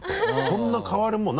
そんなに変わるもん？